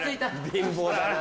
貧乏だな。